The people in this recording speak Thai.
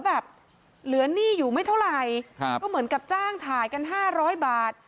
บัจจงยง๕๐๐บาท